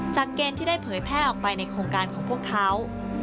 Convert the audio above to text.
เกณฑ์ที่ได้เผยแพร่ออกไปในโครงการของพวกเขา